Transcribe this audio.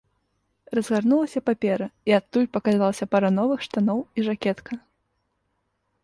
Разгарнулася папера, і адтуль паказалася пара новых штаноў і жакетка.